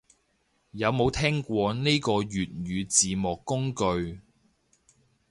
有冇聽過呢個粵語字幕工具